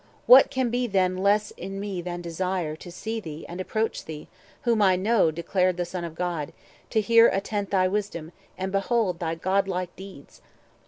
What can be then less in me than desire To see thee and approach thee, whom I know Declared the Son of God, to hear attent Thy wisdom, and behold thy godlike deeds?